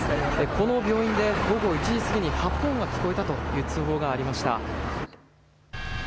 この病院で午後１時過ぎに発砲音が聞こえたという通報がありました。